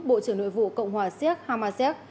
bộ trưởng nội vụ cộng hòa siếc hamasek